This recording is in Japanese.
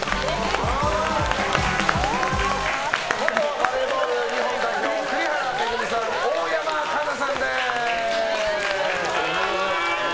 元バレーボール日本代表栗原恵さん、大山加奈さんです！